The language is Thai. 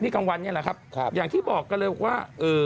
นี่กลางวันนี้หรือครับอย่างที่บอกก็เลยว่า